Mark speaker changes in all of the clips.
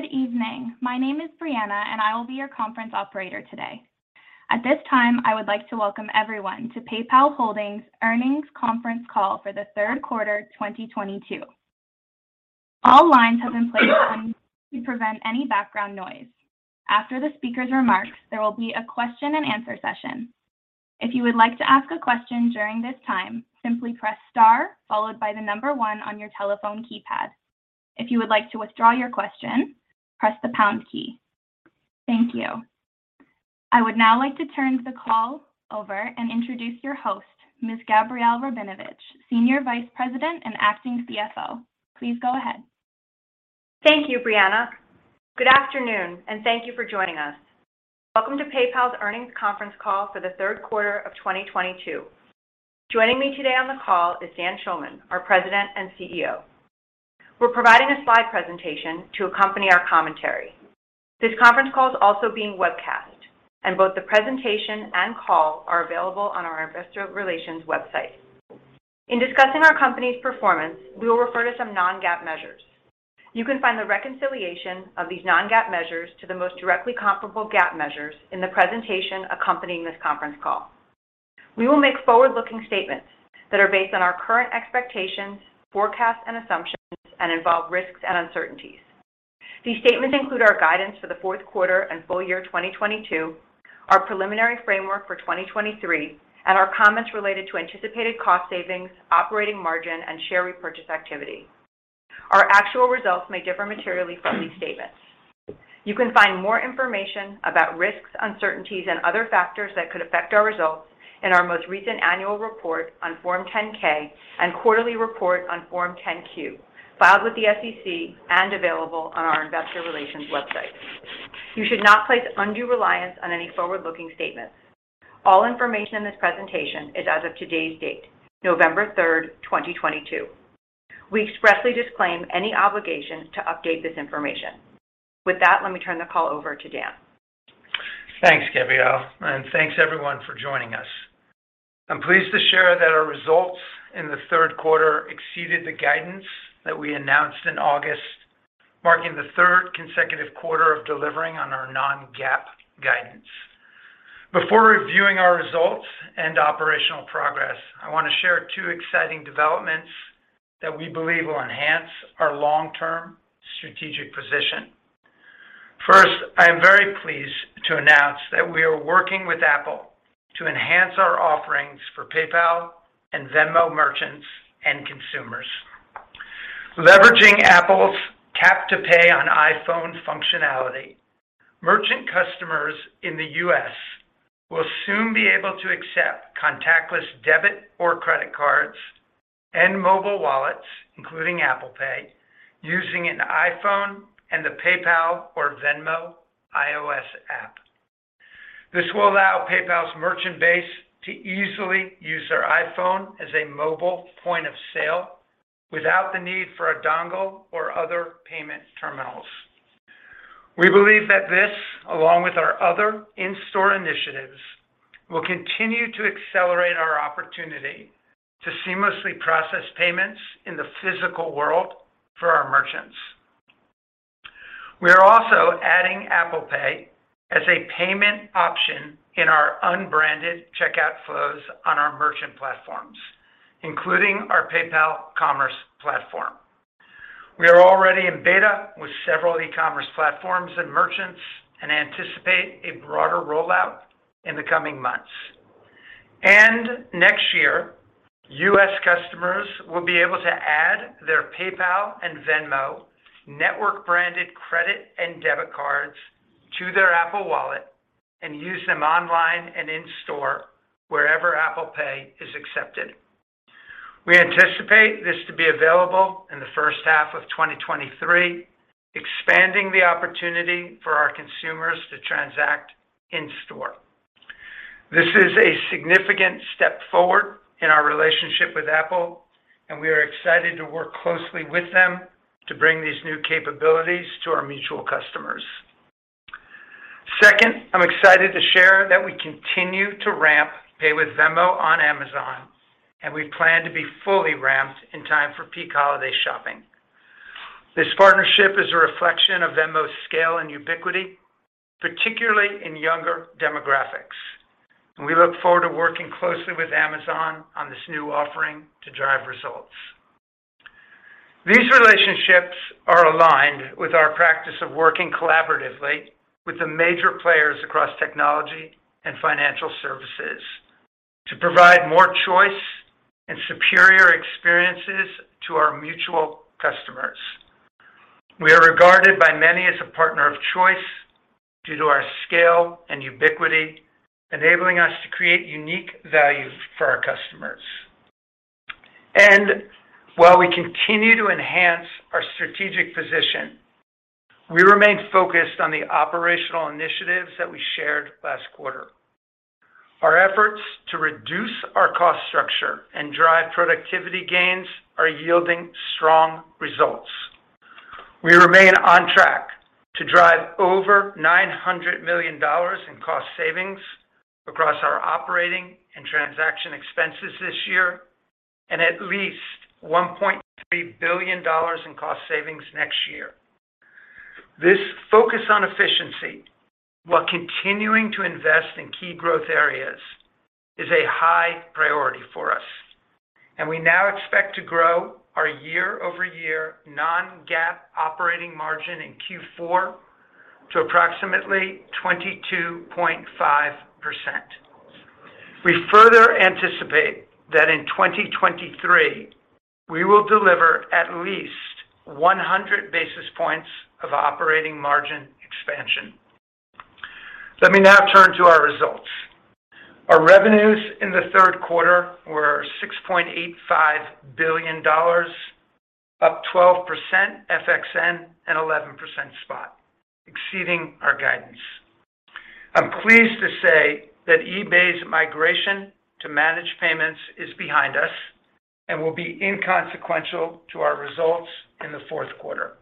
Speaker 1: Good evening. My name is Brianna, and I will be your conference operator today. At this time, I would like to welcome everyone to PayPal Holdings earnings conference call for the third quarter of 2022. All lines have been placed on mute to prevent any background noise. After the speaker's remarks, there will be a question-and-answer session. If you would like to ask a question during this time, simply press star followed by the number one on your telephone keypad. If you would like to withdraw your question, press the pound key. Thank you. I would now like to turn the call over and introduce your host, Ms. Gabrielle Rabinovitch, Senior Vice President and Acting CFO. Please go ahead.
Speaker 2: Thank you, Brianna. Good afternoon, and thank you for joining us. Welcome to PayPal's earnings conference call for the third quarter of 2022. Joining me today on the call is Dan Schulman, our President and CEO. We're providing a slide presentation to accompany our commentary. This conference call is also being webcast, and both the presentation and call are available on our investor relations website. In discussing our company's performance, we will refer to some non-GAAP measures. You can find the reconciliation of these non-GAAP measures to the most directly comparable GAAP measures in the presentation accompanying this conference call. We will make forward-looking statements that are based on our current expectations, forecasts, and assumptions and involve risks and uncertainties. These statements include our guidance for the fourth quarter and full-year 2022, our preliminary framework for 2023, and our comments related to anticipated cost savings, operating margin, and share repurchase activity. Our actual results may differ materially from these statements. You can find more information about risks, uncertainties, and other factors that could affect our results in our most recent annual report on Form 10-K and quarterly report on Form 10-Q, filed with the SEC and available on our investor relations website. You should not place undue reliance on any forward-looking statements. All information in this presentation is as of today's date, November 3, 2022. We expressly disclaim any obligation to update this information. With that, let me turn the call over to Dan.
Speaker 3: Thanks, Gabrielle, and thanks everyone for joining us. I'm pleased to share that our results in the third quarter exceeded the guidance that we announced in August, marking the third consecutive quarter of delivering on our non-GAAP guidance. Before reviewing our results and operational progress, I want to share two exciting developments that we believe will enhance our long-term strategic position. First, I am very pleased to announce that we are working with Apple to enhance our offerings for PayPal and Venmo merchants and consumers. Leveraging Apple's tap-to-pay on iPhone functionality, merchant customers in the U.S. will soon be able to accept contactless debit or credit cards and mobile wallets, including Apple Pay, using an iPhone and the PayPal or Venmo iOS app. This will allow PayPal's merchant base to easily use their iPhone as a mobile point of sale without the need for a dongle or other payment terminals. We believe that this, along with our other in-store initiatives, will continue to accelerate our opportunity to seamlessly process payments in the physical world for our merchants. We are also adding Apple Pay as a payment option in our unbranded checkout flows on our merchant platforms, including our PayPal Commerce Platform. We are already in beta with several e-commerce platforms and merchants and anticipate a broader rollout in the coming months. Next year, U.S. customers will be able to add their PayPal and Venmo network-branded credit and debit cards to their Apple Wallet and use them online and in-store wherever Apple Pay is accepted. We anticipate this to be available in the first half of 2023, expanding the opportunity for our consumers to transact in-store. This is a significant step forward in our relationship with Apple, and we are excited to work closely with them to bring these new capabilities to our mutual customers. Second, I'm excited to share that we continue to ramp Pay with Venmo on Amazon, and we plan to be fully ramped in time for peak holiday shopping. This partnership is a reflection of Venmo's scale and ubiquity, particularly in younger demographics. We look forward to working closely with Amazon on this new offering to drive results. These relationships are aligned with our practice of working collaboratively with the major players across technology and financial services to provide more choice and superior experiences to our mutual customers. We are regarded by many as a partner of choice due to our scale and ubiquity, enabling us to create unique value for our customers. While we continue to enhance our strategic position, we remain focused on the operational initiatives that we shared last quarter. Our efforts to reduce our cost structure and drive productivity gains are yielding strong results. We remain on track to drive over $900 million in cost savings across our operating and transaction expenses this year. At least $1.3 billion in cost savings next year. This focus on efficiency, while continuing to invest in key growth areas, is a high priority for us, and we now expect to grow our year-over-year non-GAAP operating margin in Q4 to approximately 22.5%. We further anticipate that in 2023, we will deliver at least 100 basis points of operating margin expansion. Let me now turn to our results. Our revenues in the third quarter were $6.85 billion, up 12% FXN and 11% spot, exceeding our guidance. I'm pleased to say that eBay's migration to managed payments is behind us and will be inconsequential to our results in the fourth quarter.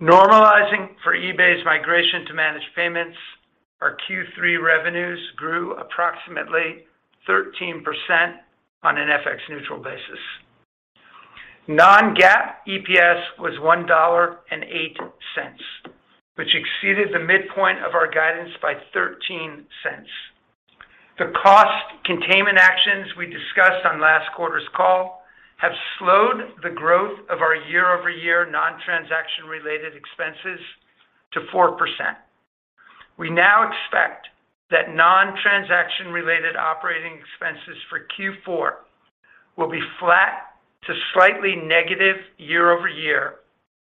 Speaker 3: Normalizing for eBay's migration to managed payments, our Q3 revenues grew approximately 13% on an FX-neutral basis. Non-GAAP EPS was $1.08, which exceeded the midpoint of our guidance by $0.13. The cost containment actions we discussed on last quarter's call have slowed the growth of our year-over-year non-transaction-related expenses to 4%. We now expect that non-transaction-related operating expenses for Q4 will be flat to slightly negative year-over-year,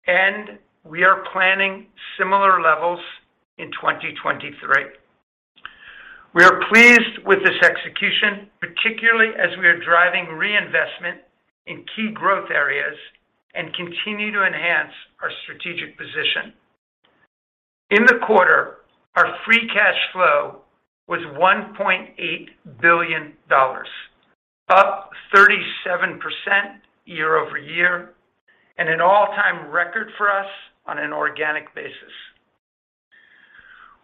Speaker 3: and we are planning similar levels in 2023. We are pleased with this execution, particularly as we are driving reinvestment in key growth areas and continue to enhance our strategic position. In the quarter, our free cash flow was $1.8 billion, up 37% year-over-year, and an all-time record for us on an organic basis.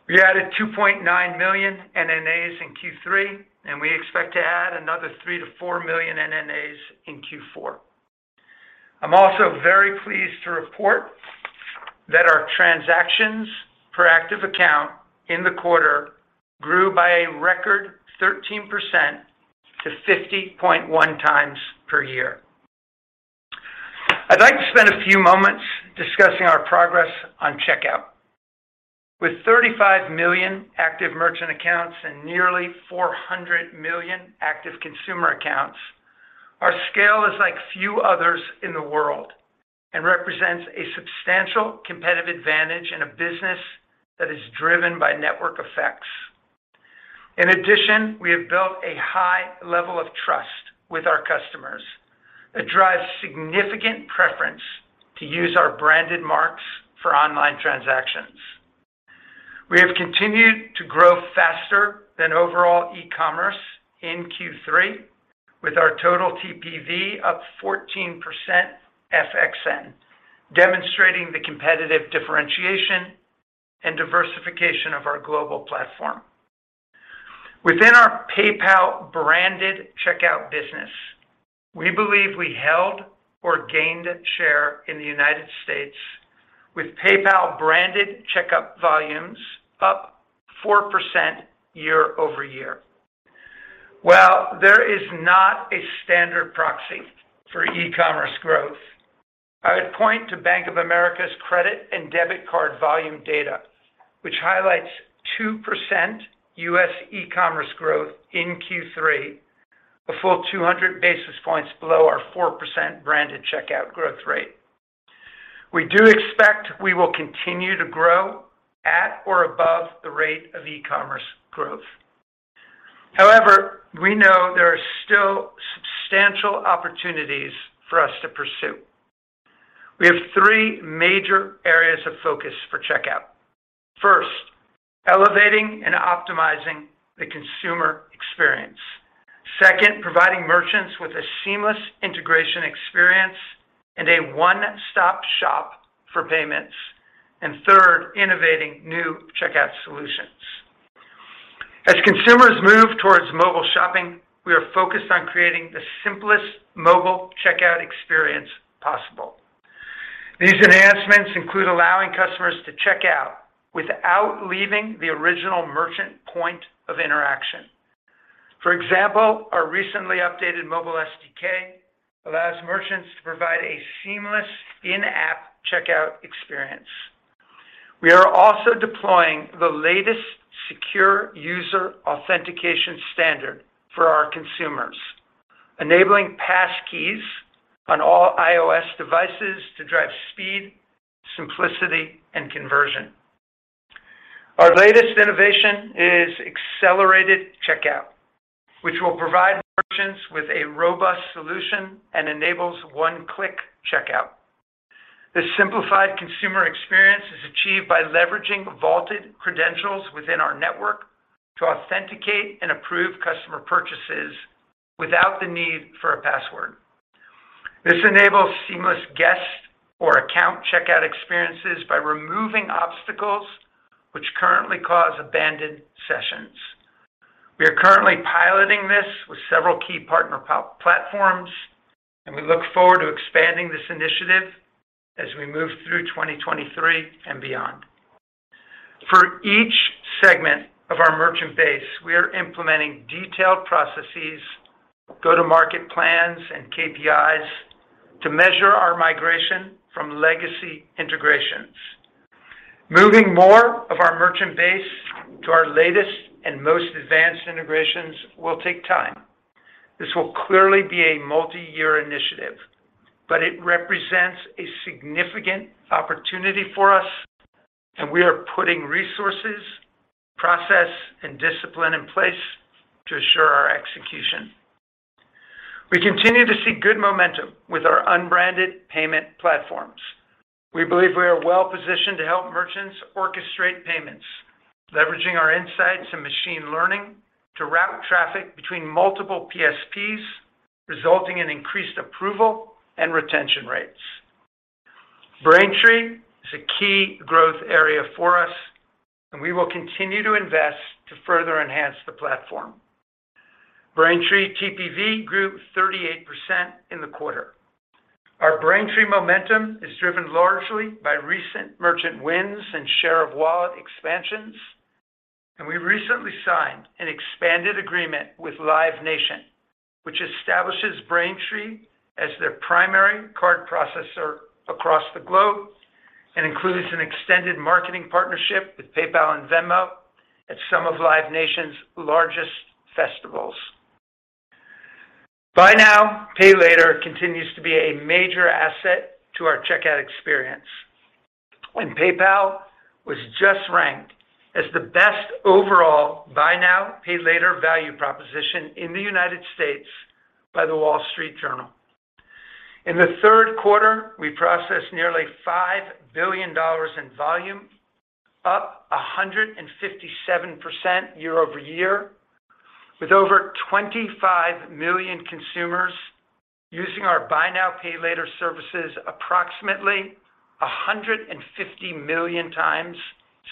Speaker 3: We added 2.9 million NNAs in Q3, and we expect to add another 3 million-4 million NNAs in Q4. I'm also very pleased to report that our transactions per active account in the quarter grew by a record 13% to 50.1 times per year. I'd like to spend a few moments discussing our progress on checkout. With 35 million active merchant accounts and nearly 400 million active consumer accounts, our scale is like few others in the world and represents a substantial competitive advantage in a business that is driven by network effects. In addition, we have built a high level of trust with our customers that drives significant preference to use our branded marks for online transactions. We have continued to grow faster than overall e-commerce in Q3 with our total TPV up 14% FXN, demonstrating the competitive differentiation and diversification of our global platform. Within our PayPal-branded checkout business, we believe we held or gained share in the United States with PayPal-branded checkout volumes up 4% year-over-year. While there is not a standard proxy for e-commerce growth, I would point to Bank of America's credit and debit card volume data, which highlights 2% U.S. e-commerce growth in Q3, a full 200 basis points below our 4% branded checkout growth rate. We do expect we will continue to grow at or above the rate of e-commerce growth. However, we know there are still substantial opportunities for us to pursue. We have three major areas of focus for checkout. First, elevating and optimizing the consumer experience. Second, providing merchants with a seamless integration experience and a one-stop shop for payments. Third, innovating new checkout solutions. As consumers move towards mobile shopping, we are focused on creating the simplest mobile checkout experience possible. These enhancements include allowing customers to check out without leaving the original merchant point of interaction. For example, our recently updated mobile SDK allows merchants to provide a seamless in-app checkout experience. We are also deploying the latest secure user authentication standard for our consumers, enabling Passkeys on all iOS devices to drive speed, simplicity, and conversion. Our latest innovation is Accelerated Checkout, which will provide merchants with a robust solution and enables one-click checkout. This simplified consumer experience is achieved by leveraging vaulted credentials within our network to authenticate and approve customer purchases without the need for a password. This enables seamless guest or account checkout experiences by removing obstacles which currently cause abandoned sessions. We are currently piloting this with several key partner platforms, and we look forward to expanding this initiative as we move through 2023 and beyond. For each segment of our merchant base, we are implementing detailed processes, go-to-market plans, and KPIs to measure our migration from legacy integrations. Moving more of our merchant base to our latest and most advanced integrations will take time. This will clearly be a multi-year initiative, but it represents a significant opportunity for us, and we are putting resources, process, and discipline in place to assure our execution. We continue to see good momentum with our unbranded payment platforms. We believe we are well-positioned to help merchants orchestrate payments, leveraging our insights and machine learning to route traffic between multiple PSPs, resulting in increased approval and retention rates. Braintree is a key growth area for us, and we will continue to invest to further enhance the platform. Braintree TPV grew 38% in the quarter. Our Braintree momentum is driven largely by recent merchant wins and share of wallet expansions. We recently signed an expanded agreement with Live Nation, which establishes Braintree as their primary card processor across the globe and includes an extended marketing partnership with PayPal and Venmo at some of Live Nation's largest festivals. Buy now, pay later continues to be a major asset to our checkout experience, when PayPal was just ranked as the best overall buy now, pay later value proposition in the United States by The Wall Street Journal. In the third quarter, we processed nearly $5 billion in volume, up 157% year-over-year, with over 25 million consumers using our buy now, pay later services approximately 150 million times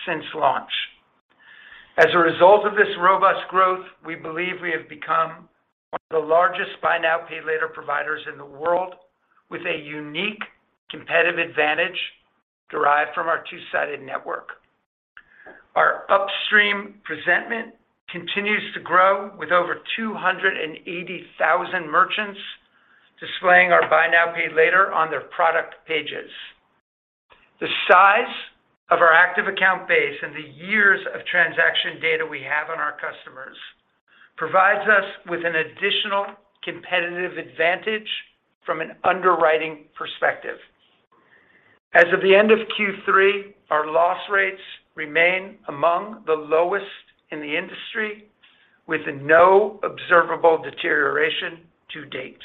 Speaker 3: since launch. As a result of this robust growth, we believe we have become one of the largest buy now, pay later providers in the world with a unique competitive advantage derived from our two-sided network. Our upstream presentment continues to grow with over 280,000 merchants displaying our buy now, pay later on their product pages. The size of our active account base and the years of transaction data we have on our customers provides us with an additional competitive advantage from an underwriting perspective. As of the end of Q3, our loss rates remain among the lowest in the industry with no observable deterioration to date.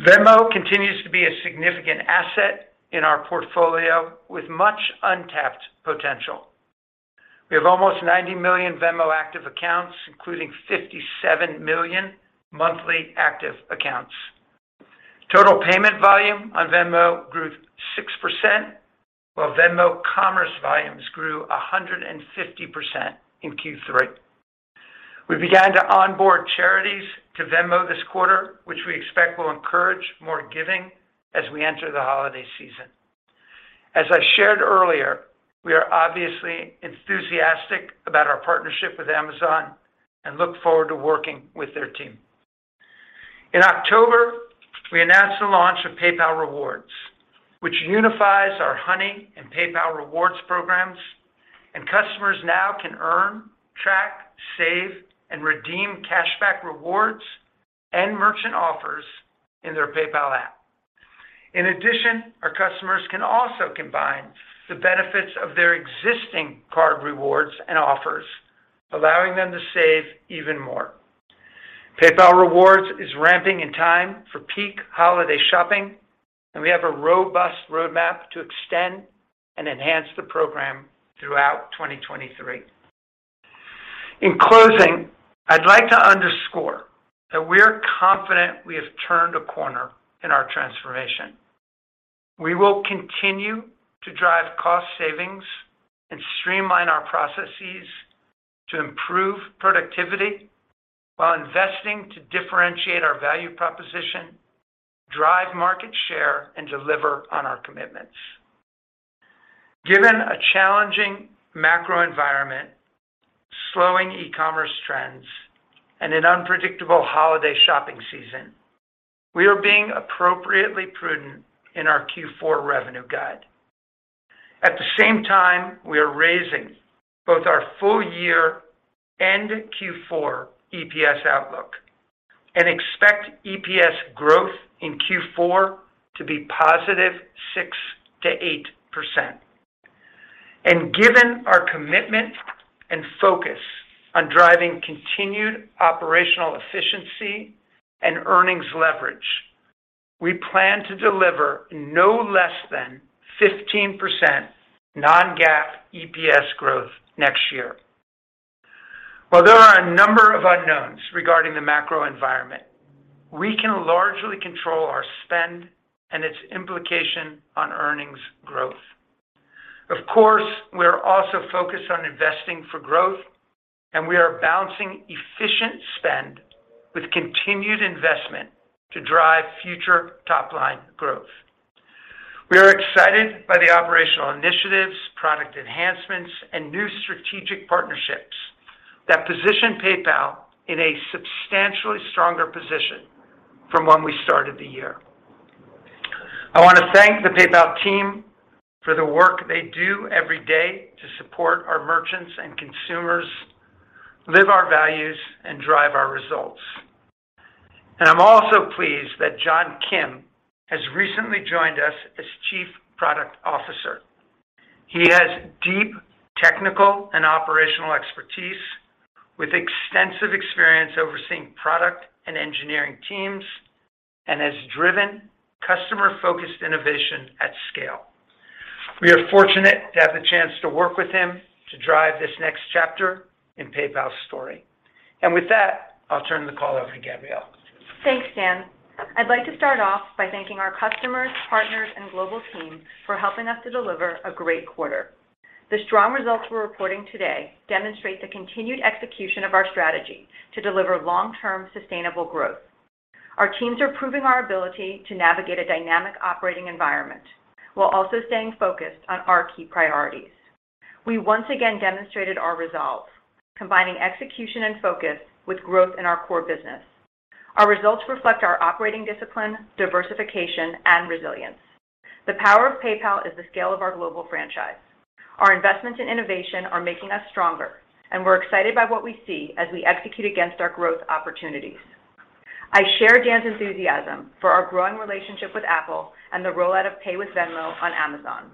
Speaker 3: Venmo continues to be a significant asset in our portfolio with much untapped potential. We have almost 90 million Venmo active accounts, including 57 million monthly active accounts. Total payment volume on Venmo grew 6%, while Venmo commerce volumes grew 150% in Q3. We began to onboard charities to Venmo this quarter, which we expect will encourage more giving as we enter the holiday season. As I shared earlier, we are obviously enthusiastic about our partnership with Amazon and look forward to working with their team. In October, we announced the launch of PayPal Rewards, which unifies our Honey and PayPal rewards programs, and customers now can earn, track, save, and redeem cashback rewards and merchant offers in their PayPal app. In addition, our customers can also combine the benefits of their existing card rewards and offers, allowing them to save even more. PayPal Rewards is ramping in time for peak holiday shopping, and we have a robust roadmap to extend and enhance the program throughout 2023. In closing, I'd like to underscore that we're confident we have turned a corner in our transformation. We will continue to drive cost savings and streamline our processes to improve productivity while investing to differentiate our value proposition, drive market share, and deliver on our commitments. Given a challenging macro environment, slowing e-commerce trends, and an unpredictable holiday shopping season, we are being appropriately prudent in our Q4 revenue guide. At the same time, we are raising both our full-year and Q4 EPS outlook and expect EPS growth in Q4 to be +6%-8%. Given our commitment and focus on driving continued operational efficiency and earnings leverage, we plan to deliver no less than 15% non-GAAP EPS growth next year. While there are a number of unknowns regarding the macro environment, we can largely control our spend and its implication on earnings growth. Of course, we are also focused on investing for growth, and we are balancing efficient spend with continued investment to drive future top-line growth. We are excited by the operational initiatives, product enhancements, and new strategic partnerships that position PayPal in a substantially stronger position from when we started the year. I want to thank the PayPal team for the work they do every day to support our merchants and consumers, live our values and drive our results. I'm also pleased that John Kim has recently joined us as Chief Product Officer. He has deep technical and operational expertise with extensive experience overseeing product and engineering teams and has driven customer-focused innovation at scale. We are fortunate to have the chance to work with him to drive this next chapter in PayPal's story. With that, I'll turn the call over to Gabrielle.
Speaker 2: Thanks, Dan. I'd like to start off by thanking our customers, partners, and global team for helping us to deliver a great quarter. The strong results we're reporting today demonstrate the continued execution of our strategy to deliver long-term sustainable growth. Our teams are proving our ability to navigate a dynamic operating environment while also staying focused on our key priorities. We once again demonstrated our resolve, combining execution and focus with growth in our core business. Our results reflect our operating discipline, diversification, and resilience. The power of PayPal is the scale of our global franchise. Our investments in innovation are making us stronger, and we're excited by what we see as we execute against our growth opportunities. I share Dan's enthusiasm for our growing relationship with Apple and the rollout of Pay with Venmo on Amazon.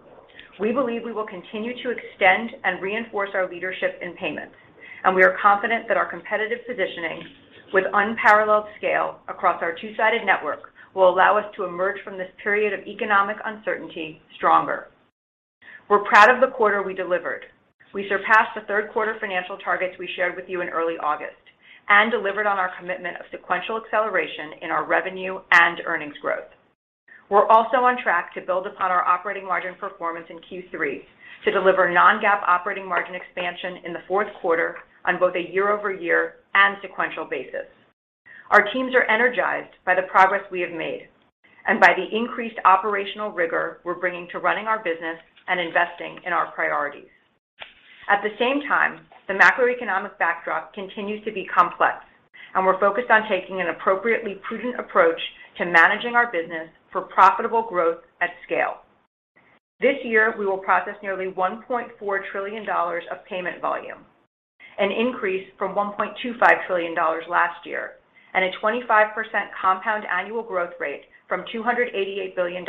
Speaker 2: We believe we will continue to extend and reinforce our leadership in payments, and we are confident that our competitive positioning with unparalleled scale across our two-sided network will allow us to emerge from this period of economic uncertainty stronger. We're proud of the quarter we delivered. We surpassed the third quarter financial targets we shared with you in early August and delivered on our commitment of sequential acceleration in our revenue and earnings growth. We're also on track to build upon our operating margin performance in Q3 to deliver non-GAAP operating margin expansion in the fourth quarter on both a year-over-year and sequential basis. Our teams are energized by the progress we have made and by the increased operational rigor we're bringing to running our business and investing in our priorities. At the same time, the macroeconomic backdrop continues to be complex, and we're focused on taking an appropriately prudent approach to managing our business for profitable growth at scale. This year, we will process nearly $1.4 trillion of payment volume, an increase from $1.25 trillion last year, and a 25% compound annual growth rate from $288 billion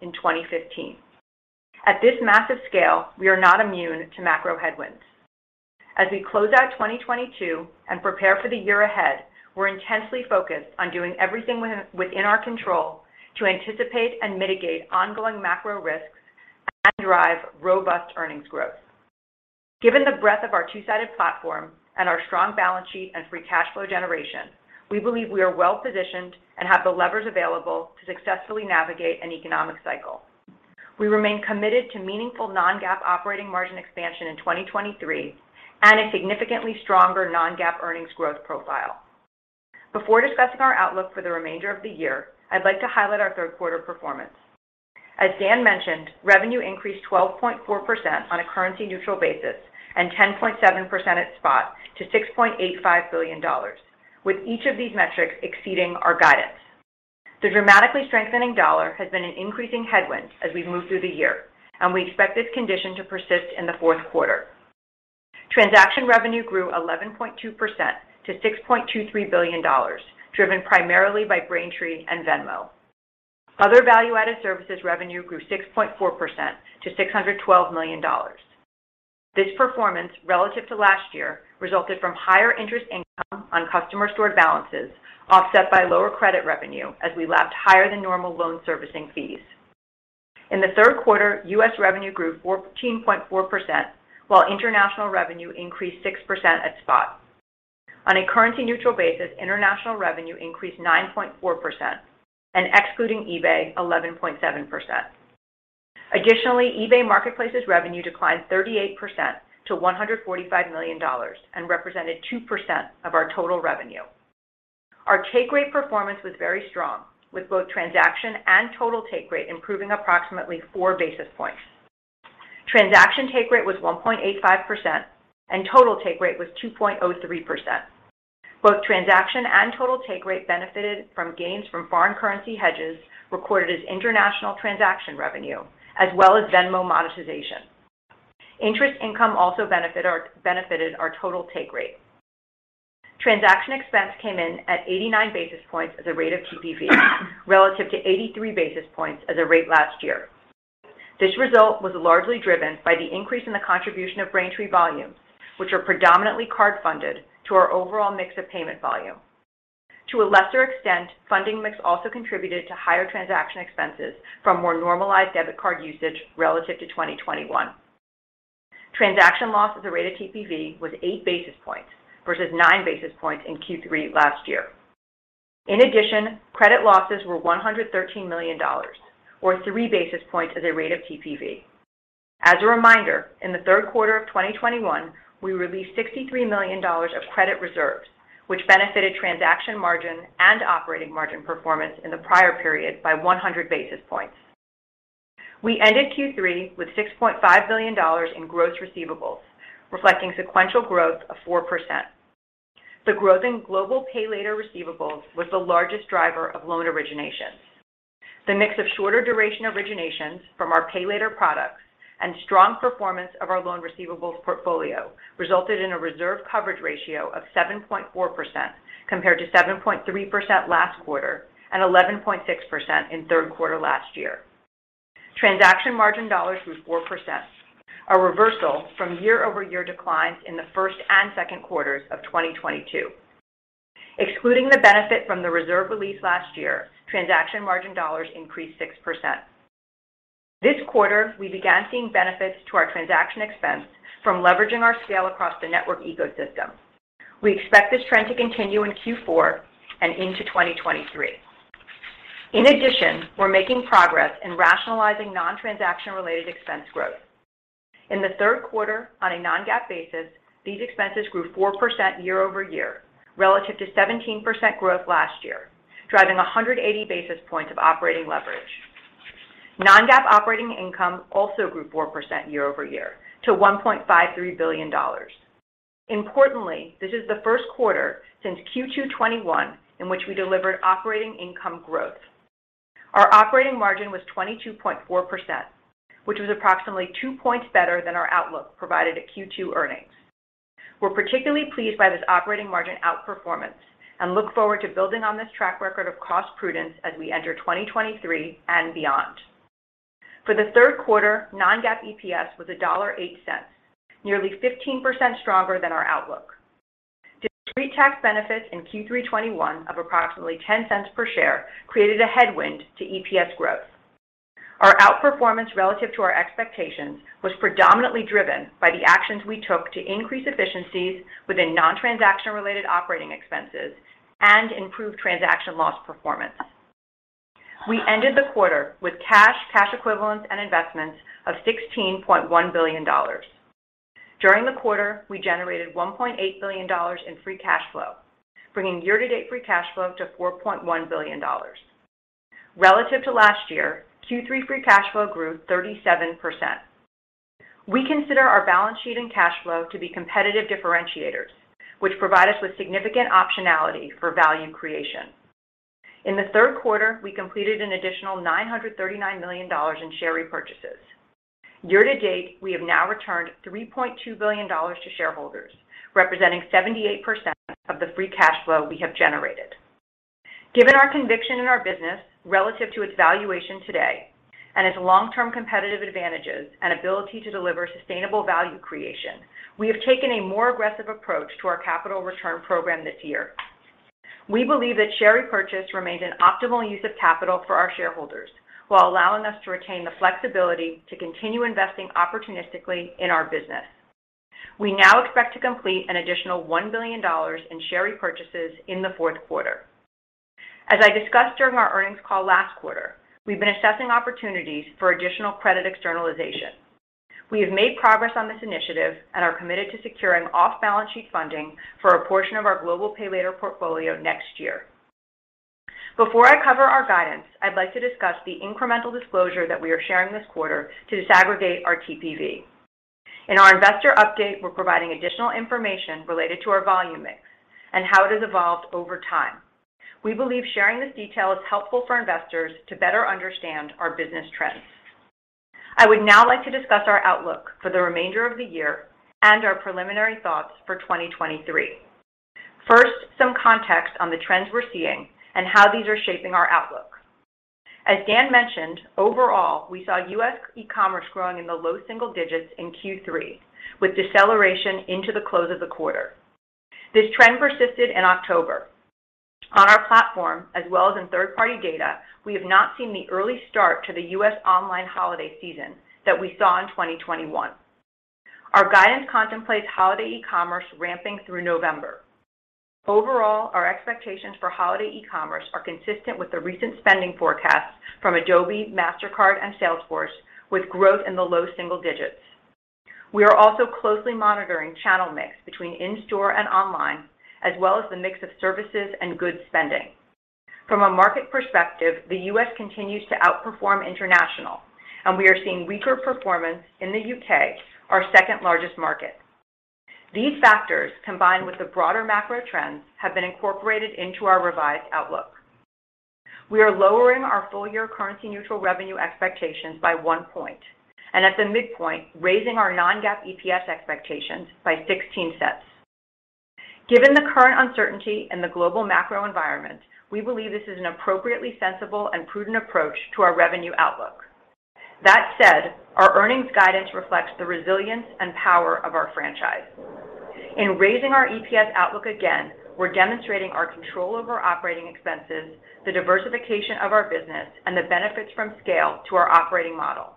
Speaker 2: in 2015. At this massive scale, we are not immune to macro headwinds. As we close out 2022 and prepare for the year ahead, we're intensely focused on doing everything within our control to anticipate and mitigate ongoing macro risks and drive robust earnings growth. Given the breadth of our two-sided platform and our strong balance sheet and free cash flow generation, we believe we are well-positioned and have the levers available to successfully navigate an economic cycle. We remain committed to meaningful non-GAAP operating margin expansion in 2023 and a significantly stronger non-GAAP earnings growth profile. Before discussing our outlook for the remainder of the year, I'd like to highlight our third quarter performance. As Dan mentioned, revenue increased 12.4% on a currency-neutral basis and 10.7% at spot to $6.85 billion, with each of these metrics exceeding our guidance. The dramatically strengthening dollar has been an increasing headwind as we've moved through the year, and we expect this condition to persist in the fourth quarter. Transaction revenue grew 11.2% to $6.23 billion, driven primarily by Braintree and Venmo. Other value-added services revenue grew 6.4% to $612 million. This performance relative to last year resulted from higher interest income on customer stored balances offset by lower credit revenue as we lapped higher-than-normal loan servicing fees. In the third quarter, U.S. revenue grew 14.4%, while international revenue increased 6% at spot. On a currency-neutral basis, international revenue increased 9.4%, and excluding eBay, 11.7%. Additionally, eBay Marketplace's revenue declined 38% to $145 million and represented 2% of our total revenue. Our take rate performance was very strong, with both transaction and total take rate improving approximately 4 basis points. Transaction take rate was 1.85%, and total take rate was 2.03%. Both transaction and total take rate benefited from gains from foreign currency hedges recorded as international transaction revenue, as well as Venmo monetization. Interest income also benefited our total take rate. Transaction expense came in at 89 basis points as a rate of TPV relative to 83 basis points as a rate last year. This result was largely driven by the increase in the contribution of Braintree volumes, which are predominantly card-funded to our overall mix of payment volume. To a lesser extent, funding mix also contributed to higher transaction expenses from more normalized debit card usage relative to 2021. Transaction losses at rate of TPV was 8 basis points versus 9 basis points in Q3 last year. In addition, credit losses were $113 million or 3 basis points at the rate of TPV. As a reminder, in the third quarter of 2021, we released $63 million of credit reserves, which benefited transaction margin and operating margin performance in the prior period by 100 basis points. We ended Q3 with $6.5 billion in gross receivables, reflecting sequential growth of 4%. The growth in global pay later receivables was the largest driver of loan originations. The mix of shorter duration originations from our pay later products and strong performance of our loan receivables portfolio resulted in a reserve coverage ratio of 7.4% compared to 7.3% last quarter and 11.6% in third quarter last year. Transaction margin dollars grew 4%, a reversal from year-over-year declines in the first and second quarters of 2022. Excluding the benefit from the reserve release last year, transaction margin dollars increased 6%. This quarter, we began seeing benefits to our transaction expense from leveraging our scale across the network ecosystem. We expect this trend to continue in Q4 and into 2023. In addition, we're making progress in rationalizing non-transaction-related expense growth. In the third quarter on a non-GAAP basis, these expenses grew 4% year-over-year, relative to 17% growth last year, driving 180 basis points of operating leverage. Non-GAAP operating income also grew 4% year-over-year to $1.53 billion. Importantly, this is the first quarter since Q2 2021 in which we delivered operating income growth. Our operating margin was 22.4%, which was approximately 2 points better than our outlook provided at Q2 earnings. We're particularly pleased by this operating margin outperformance and look forward to building on this track record of cost prudence as we enter 2023 and beyond. For the third quarter, non-GAAP EPS was $1.08, nearly 15% stronger than our outlook. Deferred tax benefits in Q3 2021 of approximately $0.10 per share created a headwind to EPS growth. Our outperformance relative to our expectations was predominantly driven by the actions we took to increase efficiencies within non-transaction-related operating expenses and improved transaction loss performance. We ended the quarter with cash equivalents, and investments of $16.1 billion. During the quarter, we generated $1.8 billion in free cash flow, bringing year-to-date free cash flow to $4.1 billion. Relative to last year, Q3 free cash flow grew 37%. We consider our balance sheet and cash flow to be competitive differentiators, which provide us with significant optionality for value creation. In the third quarter, we completed an additional $939 million in share repurchases. Year-to-date, we have now returned $3.2 billion to shareholders, representing 78% of the free cash flow we have generated. Given our conviction in our business relative to its valuation today and its long-term competitive advantages and ability to deliver sustainable value creation, we have taken a more aggressive approach to our capital return program this year. We believe that share repurchase remains an optimal use of capital for our shareholders while allowing us to retain the flexibility to continue investing opportunistically in our business. We now expect to complete an additional $1 billion in share repurchases in the fourth quarter. As I discussed during our earnings call last quarter, we've been assessing opportunities for additional credit externalization. We have made progress on this initiative and are committed to securing off-balance sheet funding for a portion of our global pay-later portfolio next year. Before I cover our guidance, I'd like to discuss the incremental disclosure that we are sharing this quarter to disaggregate our TPV. In our investor update, we're providing additional information related to our volume mix and how it has evolved over time. We believe sharing this detail is helpful for investors to better understand our business trends. I would now like to discuss our outlook for the remainder of the year and our preliminary thoughts for 2023. First, some context on the trends we're seeing and how these are shaping our outlook. As Dan mentioned, overall, we saw U.S. e-commerce growing in the low single digits% in Q3 with deceleration into the close of the quarter. This trend persisted in October. On our platform, as well as in third-party data, we have not seen the early start to the U.S. online holiday season that we saw in 2021. Our guidance contemplates holiday e-commerce ramping through November. Overall, our expectations for holiday e-commerce are consistent with the recent spending forecasts from Adobe, Mastercard, and Salesforce with growth in the low single-digits. We are also closely monitoring channel mix between in-store and online, as well as the mix of services and goods spending. From a market perspective, the U.S. continues to outperform international, and we are seeing weaker performance in the U.K., our second-largest market. These factors, combined with the broader macro trends, have been incorporated into our revised outlook. We are lowering our full-year currency-neutral revenue expectations by 1% and at the midpoint, raising our non-GAAP EPS expectations by $0.16. Given the current uncertainty in the global macro environment, we believe this is an appropriately sensible and prudent approach to our revenue outlook. That said, our earnings guidance reflects the resilience and power of our franchise. In raising our EPS outlook again, we're demonstrating our control over operating expenses, the diversification of our business, and the benefits from scale to our operating model.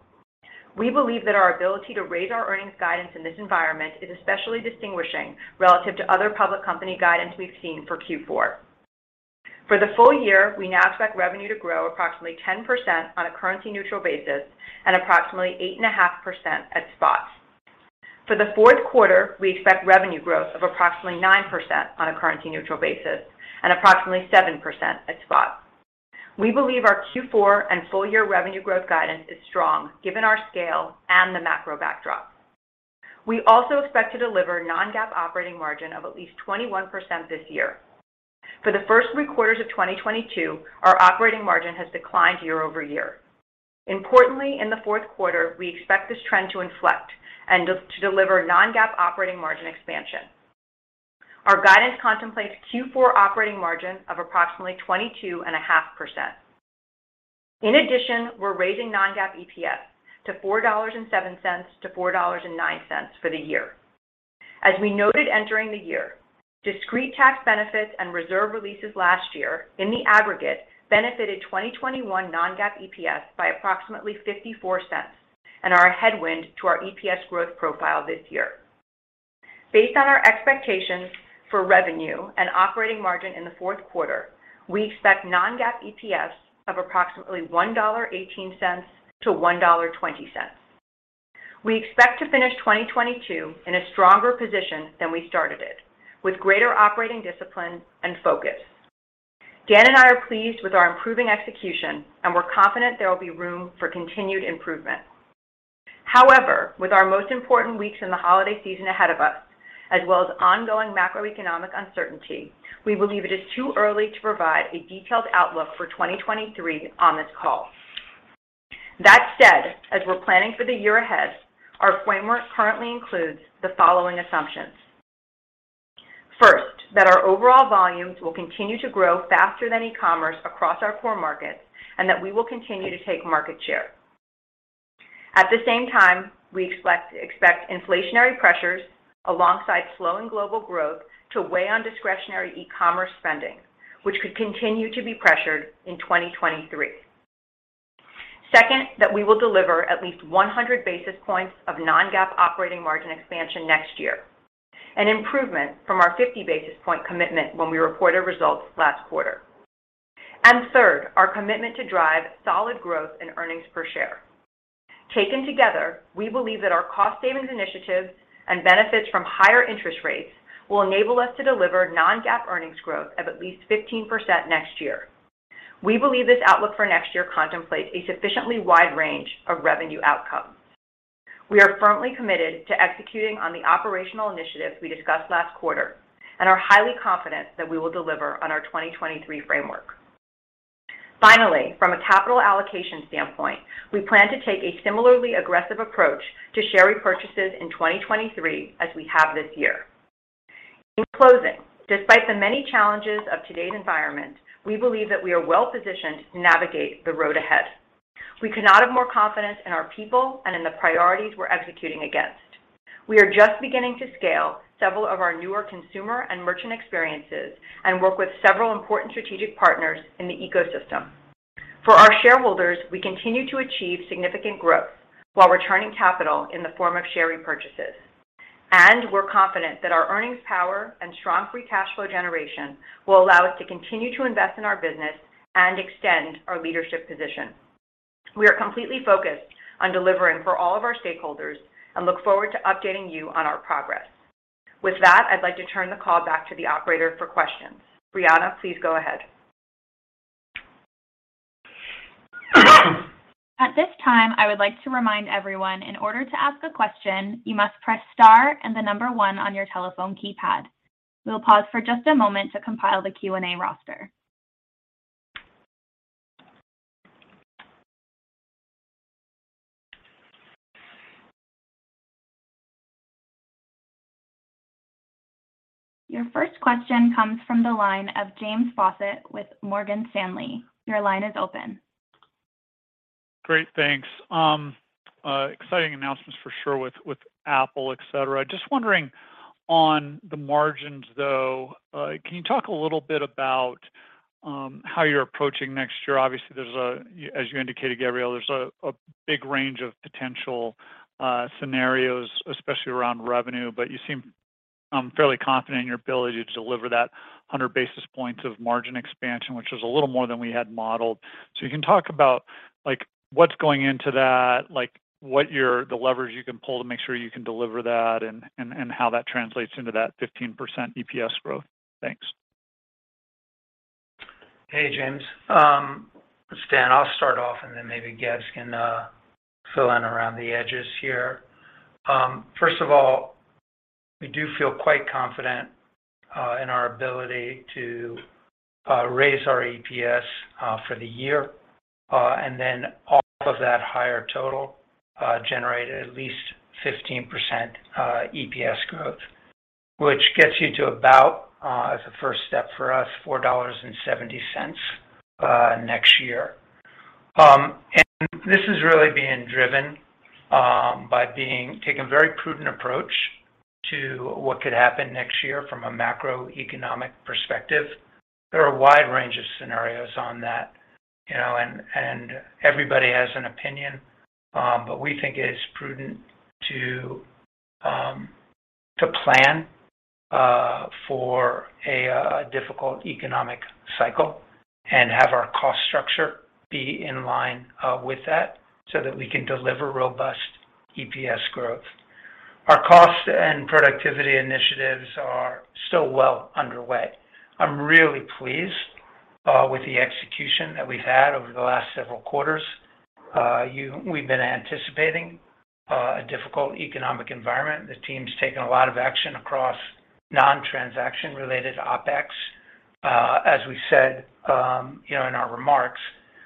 Speaker 2: We believe that our ability to raise our earnings guidance in this environment is especially distinguishing relative to other public company guidance we've seen for Q4. For the full-year, we now expect revenue to grow approximately 10% on a currency-neutral basis and approximately 8.5% at spot. For the fourth quarter, we expect revenue growth of approximately 9% on a currency-neutral basis and approximately 7% at spot. We believe our Q4 and full-year revenue growth guidance is strong given our scale and the macro backdrop. We also expect to deliver non-GAAP operating margin of at least 21% this year. For the first three quarters of 2022, our operating margin has declined year-over-year. Importantly, in the fourth quarter, we expect this trend to inflect and to deliver non-GAAP operating margin expansion. Our guidance contemplates Q4 operating margin of approximately 22.5%. In addition, we're raising non-GAAP EPS to $4.07-$4.09 for the year. As we noted entering the year, discrete tax benefits and reserve releases last year in the aggregate benefited 2021 non-GAAP EPS by approximately $0.54 and are a headwind to our EPS growth profile this year. Based on our expectations for revenue and operating margin in the fourth quarter, we expect non-GAAP EPS of approximately $1.18-$1.20. We expect to finish 2022 in a stronger position than we started it, with greater operating discipline and focus. Dan and I are pleased with our improving execution, and we're confident there will be room for continued improvement. However, with our most important weeks in the holiday season ahead of us, as well as ongoing macroeconomic uncertainty, we believe it is too early to provide a detailed outlook for 2023 on this call. That said, as we're planning for the year ahead, our framework currently includes the following assumptions. First, that our overall volumes will continue to grow faster than e-commerce across our core markets, and that we will continue to take market share. At the same time, we expect inflationary pressures alongside slowing global growth to weigh on discretionary e-commerce spending, which could continue to be pressured in 2023. Second, that we will deliver at least 100 basis points of non-GAAP operating margin expansion next year, an improvement from our 50 basis point commitment when we reported results last quarter. Third, our commitment to drive solid growth in earnings per share. Taken together, we believe that our cost savings initiatives and benefits from higher interest rates will enable us to deliver non-GAAP earnings growth of at least 15% next year. We believe this outlook for next year contemplates a sufficiently wide range of revenue outcomes. We are firmly committed to executing on the operational initiatives we discussed last quarter and are highly confident that we will deliver on our 2023 framework. Finally, from a capital allocation standpoint, we plan to take a similarly aggressive approach to share repurchases in 2023 as we have this year. In closing, despite the many challenges of today's environment, we believe that we are well-positioned to navigate the road ahead. We could not have more confidence in our people and in the priorities we're executing against. We are just beginning to scale several of our newer consumer and merchant experiences and work with several important strategic partners in the ecosystem. For our shareholders, we continue to achieve significant growth while returning capital in the form of share repurchases. We're confident that our earnings power and strong free cash flow generation will allow us to continue to invest in our business and extend our leadership position. We are completely focused on delivering for all of our stakeholders and look forward to updating you on our progress. With that, I'd like to turn the call back to the operator for questions. Brianna, please go ahead.
Speaker 1: At this time, I would like to remind everyone in order to ask a question, you must press star and the number one on your telephone keypad. We will pause for just a moment to compile the Q&A roster. Your first question comes from the line of James Faucette with Morgan Stanley. Your line is open.
Speaker 4: Great, thanks. Exciting announcements for sure with Apple, et cetera. Just wondering on the margins, though, can you talk a little bit about how you're approaching next year? Obviously, as you indicated, Gabrielle, there's a big range of potential scenarios, especially around revenue, but you seem fairly confident in your ability to deliver that 100 basis points of margin expansion, which is a little more than we had modeled. You can talk about, like, what's going into that, like the levers you can pull to make sure you can deliver that, and how that translates into that 15% EPS growth. Thanks.
Speaker 3: Hey, James. Dan, I'll start off, and then maybe Gabs can fill in around the edges here. First of all, we do feel quite confident in our ability to raise our EPS for the year and then, off of that higher total, generate at least 15% EPS growth. Which gets you to about, as a first step for us, $4.70 next year. This is really being driven by taking a very prudent approach to what could happen next year from a macroeconomic perspective. There are a wide range of scenarios on that, you know, and everybody has an opinion. We think it's prudent to plan for a difficult economic cycle and have our cost structure be in line with that so that we can deliver robust EPS growth. Our cost and productivity initiatives are still well underway. I'm really pleased with the execution that we've had over the last several quarters. We've been anticipating a difficult economic environment. The team's taken a lot of action across non-transaction related OpEx. As we said, you know, in our remarks,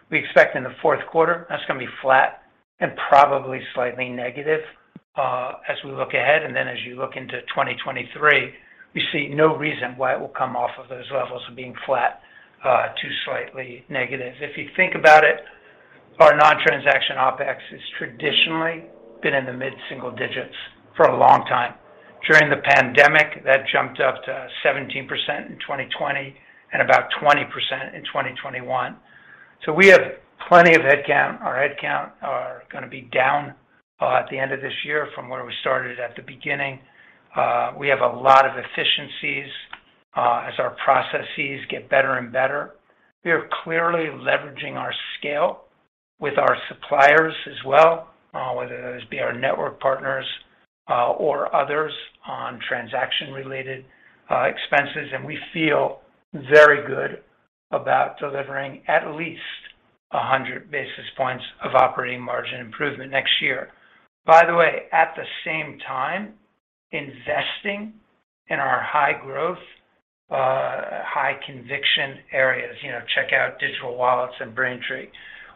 Speaker 3: we expect in the fourth quarter that's gonna be flat and probably slightly negative, as we look ahead. Then as you look into 2023, we see no reason why it will come off of those levels of being flat, to slightly negative. If you think about it, our non-transaction OpEx has traditionally been in the mid-single-digits for a long time. During the pandemic, that jumped up to 17% in 2020 and about 20% in 2021. We have plenty of headcount. Our headcount are gonna be down, at the end of this year from where we started at the beginning. We have a lot of efficiencies, as our processes get better and better. We are clearly leveraging our scale with our suppliers as well, whether those be our network partners, or others on transaction-related expenses. We feel very good about delivering at least 100 basis points of operating margin improvement next year. By the way, at the same time, investing in our high growth, high conviction areas. You know, check out digital wallets and Braintree.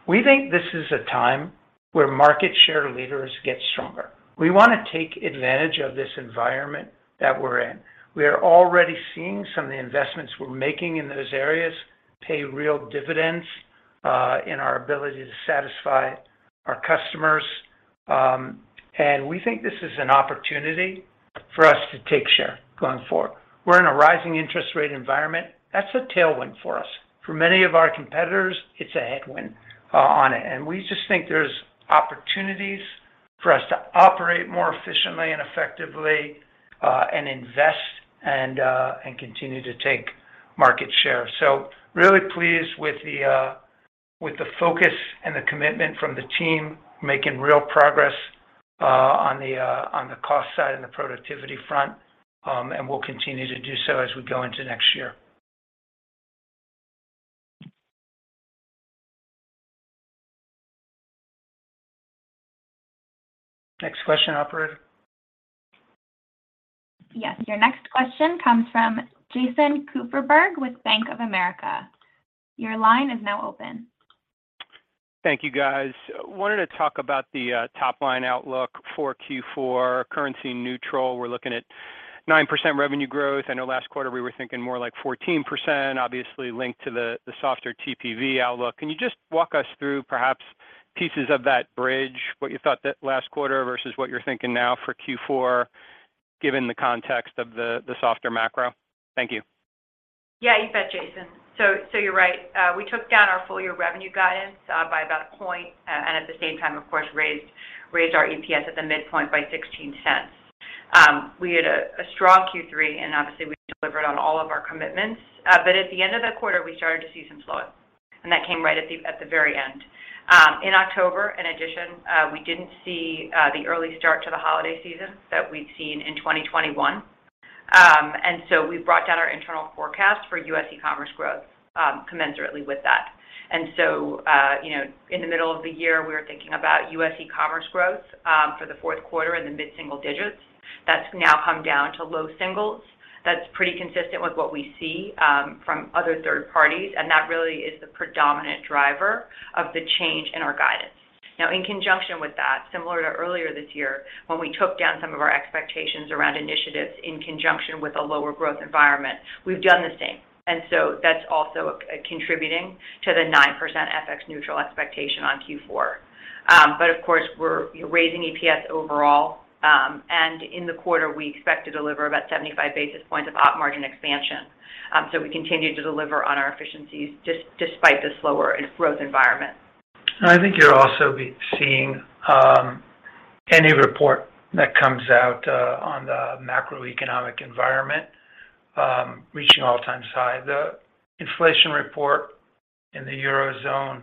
Speaker 3: We think this is a time where market share leaders get stronger. We wanna take advantage of this environment that we're in. We are already seeing some of the investments we're making in those areas pay real dividends, in our ability to satisfy our customers. And we think this is an opportunity for us to take share going forward. We're in a rising interest rate environment. That's a tailwind for us. For many of our competitors, it's a headwind on it. We just think there's opportunities for us to operate more efficiently and effectively, and invest and continue to take market share. Really pleased with the focus and the commitment from the team making real progress on the cost side and the productivity front. We'll continue to do so as we go into next year. Next question, operator.
Speaker 1: Yes. Your next question comes from Jason Kupferberg with Bank of America. Your line is now open.
Speaker 5: Thank you, guys. Wanted to talk about the top-line outlook for Q4, currency neutral. We're looking at 9% revenue growth. I know last quarter we were thinking more like 14%, obviously linked to the softer TPV outlook. Can you just walk us through perhaps pieces of that bridge, what you thought that last quarter versus what you're thinking now for Q4, given the context of the softer macro? Thank you.
Speaker 2: Yeah, you bet, Jason. You're right. We took down our full-year revenue guidance by about a point, and at the same time, of course, raised our EPS at the midpoint by $0.16. We had a strong Q3, and obviously, we delivered on all of our commitments. At the end of the quarter, we started to see some slowing, and that came right at the very end. In October, in addition, we didn't see the early start to the holiday season that we'd seen in 2021. We brought down our internal forecast for U.S. e-commerce growth commensurately with that. You know, in the middle of the year, we were thinking about U.S. e-commerce growth for the fourth quarter in the mid-single-digits. That's now come down to low singles. That's pretty consistent with what we see from other third parties, and that really is the predominant driver of the change in our guidance. Now, in conjunction with that, similar to earlier this year when we took down some of our expectations around initiatives in conjunction with a lower growth environment, we've done the same. That's also contributing to the 9% FX-neutral expectation on Q4. Of course, we're, you know, raising EPS overall. In the quarter, we expect to deliver about 75 basis points of op margin expansion. We continue to deliver on our efficiencies despite the slower growth environment.
Speaker 3: I think you're also seeing any report that comes out on the macroeconomic environment reaching all-time high. The inflation report in the Eurozone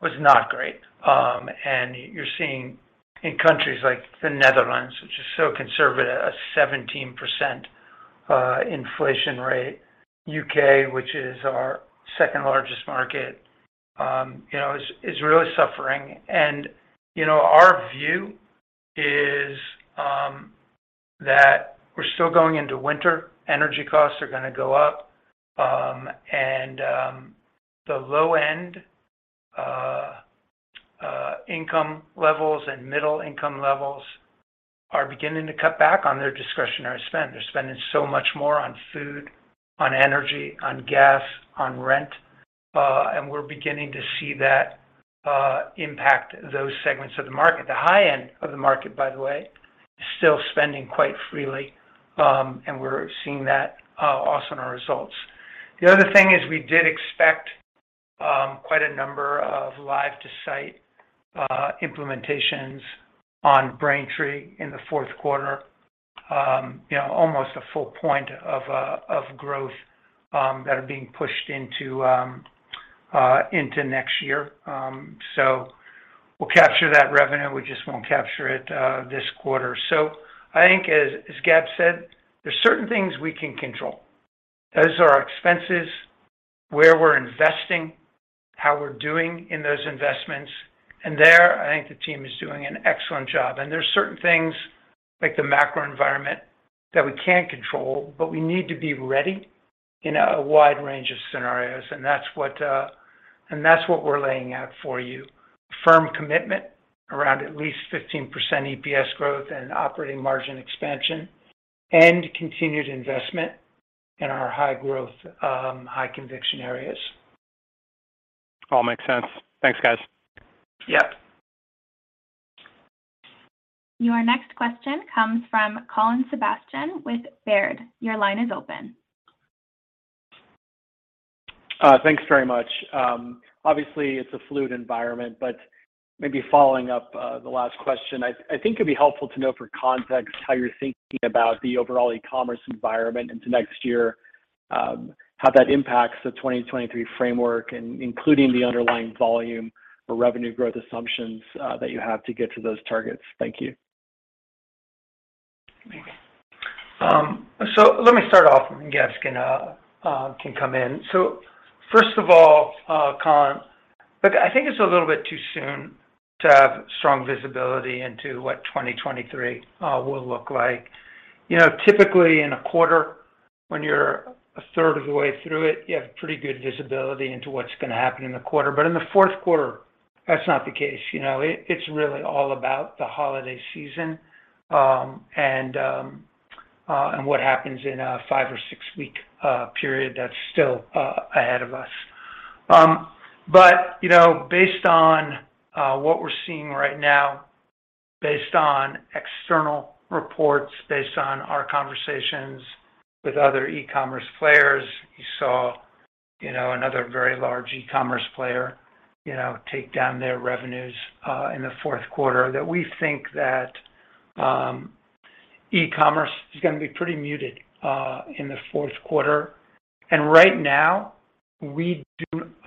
Speaker 3: was not great. You're seeing in countries like the Netherlands, which is so conservative, a 17% inflation rate. U.K., which is our second-largest market, you know, is really suffering. You know, our view is that we're still going into winter. Energy costs are gonna go up. The low-end income levels and middle-income levels are beginning to cut back on their discretionary spending. They're spending so much more on food, on energy, on gas, on rent. We're beginning to see that impact those segments of the market. The high-end of the market, by the way, is still spending quite freely. We're seeing that also in our results. The other thing is we did expect quite a number of live to site implementations on Braintree in the fourth quarter. You know, almost a full point of growth that are being pushed into next year. We'll capture that revenue, we just won't capture it this quarter. I think, as Gabs said, there's certain things we can control. Those are our expenses, where we're investing, how we're doing in those investments. There, I think the team is doing an excellent job. There's certain things like the macro environment that we can't control, but we need to be ready in a wide range of scenarios. That's what we're laying out for you. Firm commitment around at least 15% EPS growth, and operating margin expansion, and continued investment in our high growth, high conviction areas.
Speaker 5: All makes sense. Thanks, guys.
Speaker 3: Yep.
Speaker 1: Your next question comes from Colin Sebastian with Baird. Your line is open.
Speaker 6: Thanks very much. Obviously it's a fluid environment, but maybe following up the last question, I think it'd be helpful to know for context how you're thinking about the overall e-commerce environment into next year, how that impacts the 2023 framework and including the underlying volume or revenue growth assumptions that you have to get to those targets. Thank you.
Speaker 3: Let me start off, and Gabs gonna come in. First of all, Colin, look, I think it's a little bit too soon to have strong visibility into what 2023 will look like. You know, typically in a quarter, when you're a third of the way through it, you have pretty good visibility into what's gonna happen in the quarter. In the fourth quarter, that's not the case. You know, it's really all about the holiday season, and what happens in a five or six-week period that's still ahead of us. You know, based on what we're seeing right now, based on external reports, based on our conversations with other e-commerce players, you saw, you know, another very large e-commerce player, you know, take down their revenues in the fourth quarter, that we think e-commerce is gonna be pretty muted in the fourth quarter. Right now, we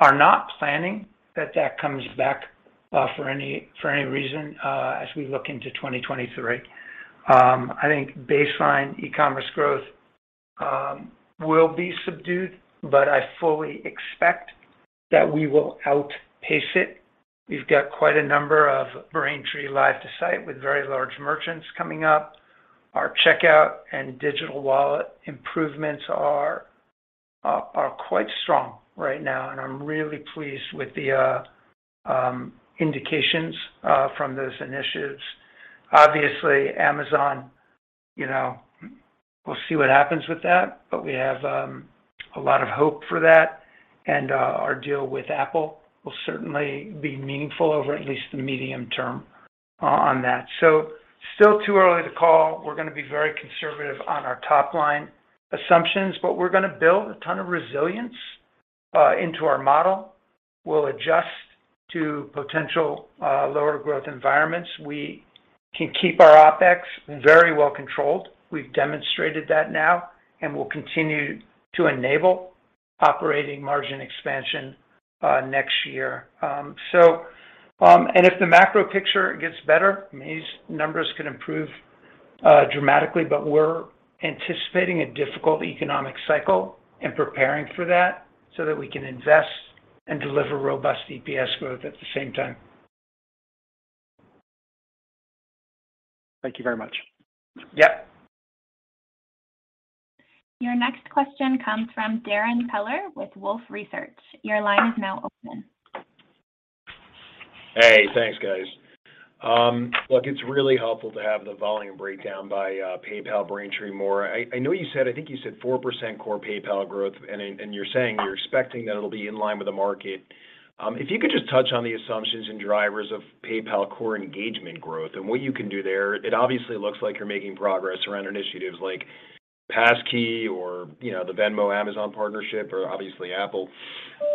Speaker 3: are not planning that comes back for any reason as we look into 2023. I think baseline e-commerce growth will be subdued, but I fully expect that we will outpace it. We've got quite a number of Braintree live to site with very large merchants coming up. Our checkout and digital wallet improvements are quite strong right now, and I'm really pleased with the indications from those initiatives. Obviously, Amazon, you know, we'll see what happens with that, but we have a lot of hope for that. Our deal with Apple will certainly be meaningful over at least the medium-term on that. Still too early to call. We're gonna be very conservative on our top-line assumptions, but we're gonna build a ton of resilience into our model. We'll adjust to potential lower growth environments. We can keep our OpEx very well controlled. We've demonstrated that now, and we'll continue to enable operating margin expansion next year. If the macro picture gets better, these numbers can improve dramatically, but we're anticipating a difficult economic cycle and preparing for that so that we can invest and deliver robust EPS growth at the same time.
Speaker 6: Thank you very much.
Speaker 3: Yep.
Speaker 1: Your next question comes from Darrin Peller with Wolfe Research. Your line is now open.
Speaker 7: Hey, thanks guys. Look, it's really helpful to have the volume breakdown by PayPal, Braintree more. I know you said, I think you said 4% core PayPal growth and you're saying you're expecting that it'll be in line with the market. If you could just touch on the assumptions and drivers of PayPal core engagement growth and what you can do there. It obviously looks like you're making progress around initiatives like passkeys or, you know, the Venmo Amazon partnership, or obviously Apple.